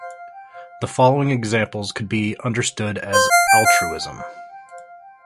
The following examples could be understood as altruism.